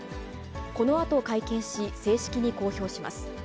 このあと会見し、正式に公表します。